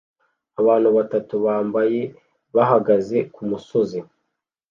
Abantu batatu bambayebahagaze kumusozi